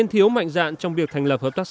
thiếu mạnh dạn trong việc thành lập hợp tác xã